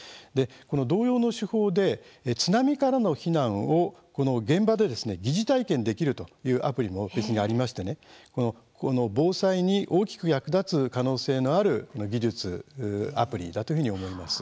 同様の手法で、津波からの避難を現場で疑似体験できるというアプリも別にありまして防災に大きく役立つ可能性のある技術、アプリだというふうに思います。